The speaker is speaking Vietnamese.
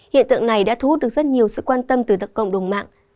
hiện tượng này đã thu hút được rất nhiều sự quan tâm từ các cộng đồng mạng